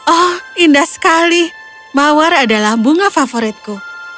oh indah sekali mawar adalah bunga favoritku